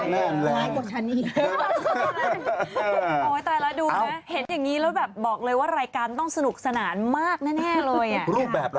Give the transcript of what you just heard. มันดึงลงยังไงอ่ะพี่ไม่ใช่มันทำไม่เป็นอ่ะ